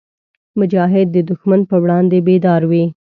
مجاهد د دښمن پر وړاندې بیدار وي.